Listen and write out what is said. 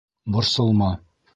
Борсолма!